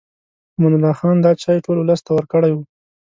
امان الله خان دا چای ټول ولس ته ورکړی و.